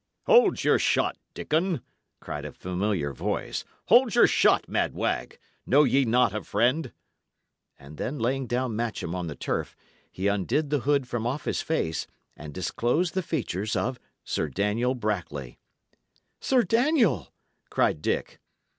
"Hold your shot, Dickon!" cried a familiar voice. "Hold your shot, mad wag! Know ye not a friend?" And then laying down Matcham on the turf, he undid the hood from off his face, and disclosed the features of Sir Daniel Brackley. "Sir Daniel!" cried Dick.